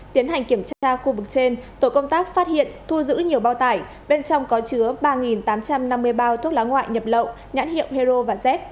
tiến hành kiểm tra khu vực trên tổ công tác phát hiện thu giữ nhiều bao tải bên trong có chứa ba tám trăm năm mươi bao thuốc lá ngoại nhập lậu nhãn hiệu hero và z